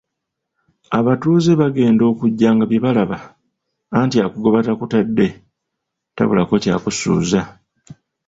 Abatuuze bagenda okujja nga bye balaba, anti akugoba takutadde tabulako ky'akusuuza.